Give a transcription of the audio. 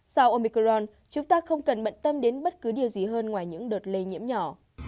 sau omicron chúng ta không cần mận tâm đến bất cứ điều gì hơn ngoài những đợt lây nhiễm nhỏ